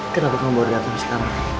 kenapa kamu baru dateng ke kamar